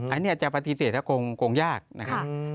อันนี้อาจจะปฏิเสธแล้วคงยากนะครับ